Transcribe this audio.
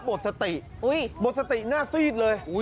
หักโบสถิโบสถิหน้าสรีดเลย